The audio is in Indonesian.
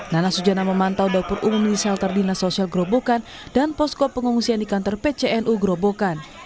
nana sujana memantau dapur umum di shelter dinas sosial gerobokan dan posko pengungsian di kantor pcnu gerobokan